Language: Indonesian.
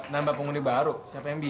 nambah penghuni baru siapa yang bisa